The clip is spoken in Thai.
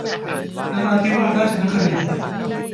นราธิวาสราชนครินทร์